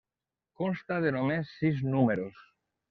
Consta de només sis números.